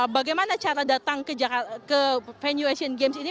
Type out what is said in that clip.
bagaimana cara datang ke venue asian games ini